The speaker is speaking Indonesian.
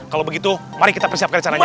kalau begitu mari kita persiapkan rencananya